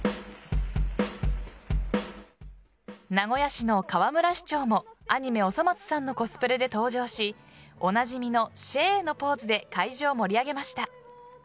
名古屋市の河村市長もアニメ「おそ松さん」のコスプレで登場しおなじみのシェーのポーズで会場を盛り上げました。